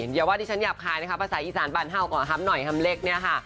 เดี๋ยวว่าดิฉันหยับคายนะคะภาษาอีสานบรรเท่าก่อนครับหำหน่อยหำเล็กเนี่ยค่ะ